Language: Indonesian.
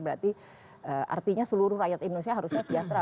berarti artinya seluruh rakyat indonesia harusnya sejahtera